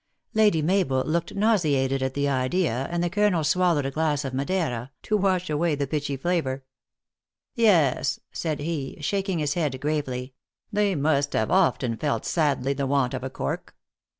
Lady Mabel looked nauseated at the idea, and the colonel swallowed a glass of Madeira, to wash away the pitchy flavor. " Yes," said he, shaking his head gravely, " they must have often felt sadly the want of a cork.